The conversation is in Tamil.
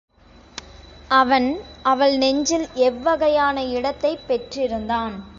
அவன் அவள் நெஞ்சில் எவ்வகையான இடத்தைப் பெற்றிருந்தான்?